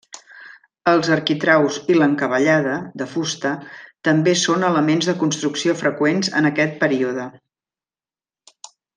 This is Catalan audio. Els arquitraus i l'encavallada, de fusta, també són elements de construcció freqüents en aquest període.